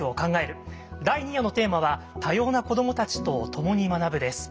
第２夜のテーマは「多様な子どもたちと共に学ぶ」です。